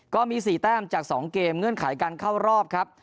ก็มี๔แต้มจาก๒เกมเงื่อนไขการเข้ารอบครับ